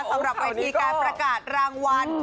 สำหรับเวทีการประกาศรางวัล